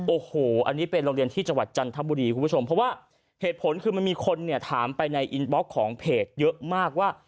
โอ้โหอันนี้เป็นโรงเรียนที่จังหวัดจันทบุรีคุณผู้ชมเพราะว่าเหตุผลคือมันมีคนเนี่ยถามไปในอินบล็อกของเพจเยอะมากว่า